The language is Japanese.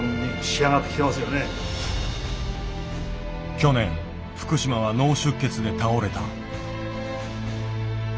去年福島は脳出血で倒れた。